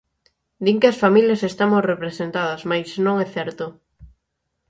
Din que as familias estamos representadas, mais non é certo.